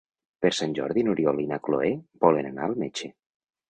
Per Sant Jordi n'Oriol i na Cloè volen anar al metge.